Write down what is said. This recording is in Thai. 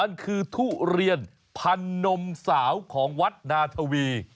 มันคือทุเรียนพันนมสาวของวัดนาธวี